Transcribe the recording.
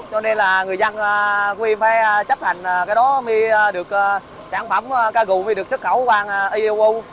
cho nên là người dân quý vị phải chấp hành cái đó mới được sản phẩm ca gù mới được xuất khẩu qua euo